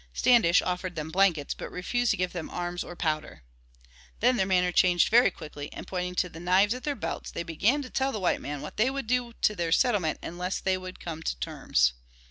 Standish offered them blankets but refused to give them arms or powder. Then their manner changed very quickly, and pointing to the knives at their belts they began to tell the white men what they would do to their settlement unless they would come to terms.